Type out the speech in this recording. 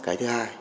cái thứ hai